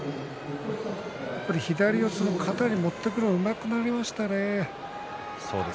左四つ、型に持っていくのがうまくなりましたね。